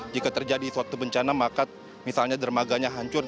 jika terjadi suatu bencana maka misalnya dermaganya hancur